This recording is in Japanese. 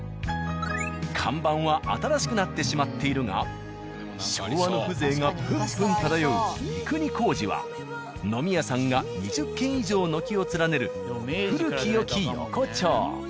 看板は新しくなってしまっているが昭和の風情がぷんぷん漂う美久仁小路は飲み屋さんが２０軒以上軒を連ねる古きよき横丁。